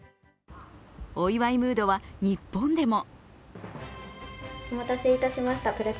お祝いムードは日本でも。